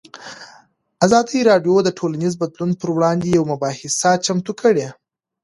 ازادي راډیو د ټولنیز بدلون پر وړاندې یوه مباحثه چمتو کړې.